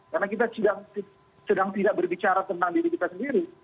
karena kita sedang tidak berbicara tentang diri kita sendiri